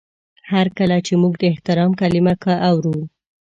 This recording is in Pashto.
هر کله چې موږ د احترام کلمه اورو